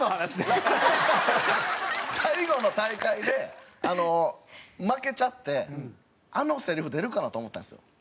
最後の大会で負けちゃってあのセリフ出るかなと思ったんですよ。